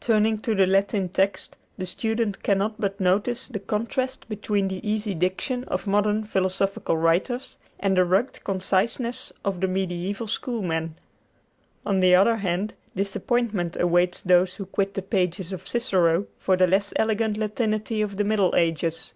Turning to the Latin text, the student cannot but notice the contrast between the easy diction of modern philosophical writers and the rugged conciseness of the mediæval Schoolman. On the other hand, disappointment awaits those who quit the pages of Cicero for the less elegant Latinity of the Middle Ages.